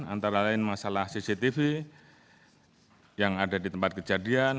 antara lain masalah cctv yang ada di tempat kejadian